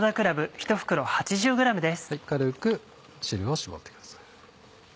軽く汁を絞ってください。